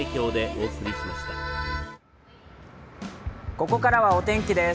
ここからはお天気です